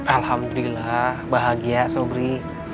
alhamdulillah bahagia sobri